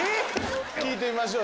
聞いてみましょう。